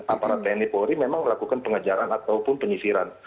aparat tni polri memang melakukan pengejaran ataupun penyisiran